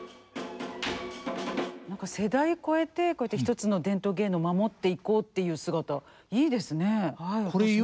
何か世代超えてこうやって一つの伝統芸能守っていこうっていう姿いいですね。